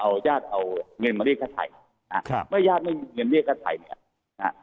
เอาญาติเอาเงินมาเรียกฆ่าไทยครับไม่ยากเงินเรียกฆ่าไทยเนี่ยนะ